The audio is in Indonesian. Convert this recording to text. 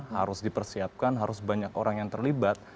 harus dipersiapkan harus banyak orang yang terlibat